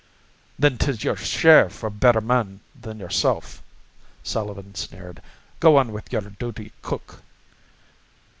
"Then 'tis yer share for better men than yerself," Sullivan sneered. "Go on with yer duty, cook."